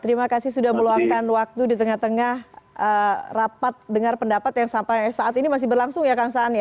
terima kasih sudah meluangkan waktu di tengah tengah rapat dengar pendapat yang sampai saat ini masih berlangsung ya kang saan ya